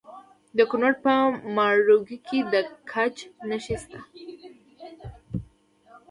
د کونړ په ماڼوګي کې د ګچ نښې شته.